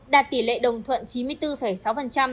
đạt tỷ lệ đồng thuận chín mươi bốn sáu